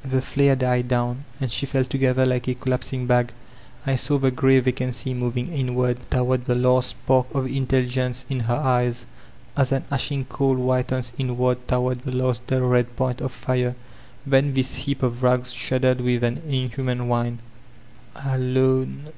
*' The flare died down, and she fell together like a cot lapsing bag. I saw the gray vacancy moving inward toward the last spark of intelligence in her eyes, as an ashiQg ooal whitens inward toward the last dull red point of fire. Then this heap of rags shuddered with an in human whine, *'A I o n e."